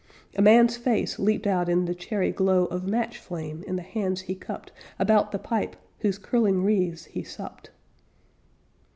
A man's face leaped out in the cherry glow Of match flame in the hands he cupped About the pipe whose curling wreaths he supped.